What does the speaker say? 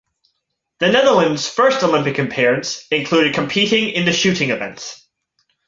The Netherlands' first Olympic appearance included competing in the shooting events.